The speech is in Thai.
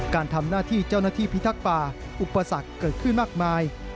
การทำหน้าที่เจ้าหน้าที่พิทักษ์ป่าอุปสรรคเกิดขึ้นมากมาย